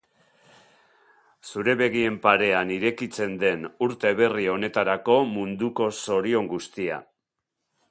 Zure begien parean irekitzen den urte berri honetarako munduko zorion guztia.